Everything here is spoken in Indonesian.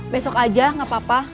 besok aja gak apa apa